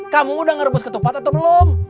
kamu udah ngerebus ketupat atau belum